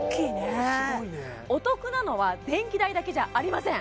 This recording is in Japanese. お得なのは電気代だけじゃありません